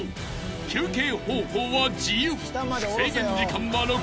［休憩方法は自由］